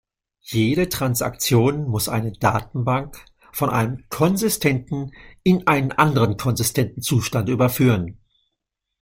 Jede Transaktion muss eine Datenbank von einem konsistenten in einen anderen konsistenten Zustand überführen.